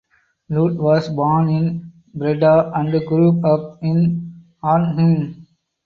Loot was born in Breda and grew up in Arnhem.